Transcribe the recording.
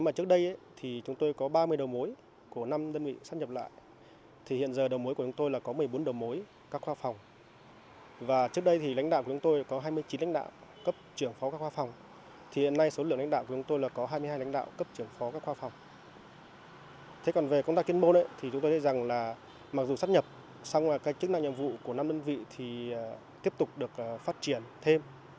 mặc dù sắp nhập xong là các chức năng nhiệm vụ của năm đơn vị thì tiếp tục được phát triển thêm